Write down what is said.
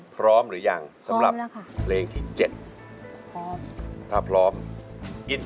เป็นไงเป็นกัน